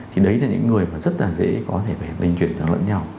thì đấy là những người mà rất là dễ có thể bệnh linh chuyển nhau lẫn nhau